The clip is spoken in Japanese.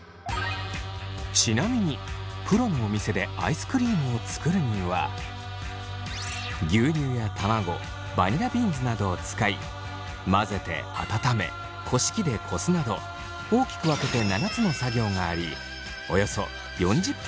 ちなみにプロのお店でアイスクリームを作るには牛乳や卵バニラビーンズなどを使い混ぜて温めこし器でこすなど大きく分けて７つの作業がありおよそ４０分かかります。